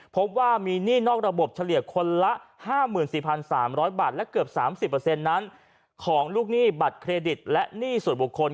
พบว่ามีหนี้นอกระบบเฉลี่ยคนละ๕๔๓๐๐บาทและเกือบ๓๐นั้นของลูกหนี้บัตรเครดิตและหนี้ส่วนบุคคล